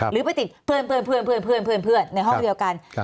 หรือไปติดเพื่อนในห้องเดียวกัน